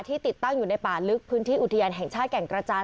ติดตั้งอยู่ในป่าลึกพื้นที่อุทยานแห่งชาติแก่งกระจาน